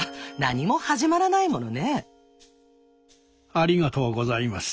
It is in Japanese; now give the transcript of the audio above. ありがとうございます。